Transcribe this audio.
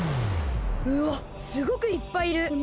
うわっすごくいっぱいいる！